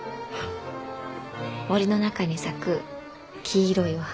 森の中に咲く黄色いお花。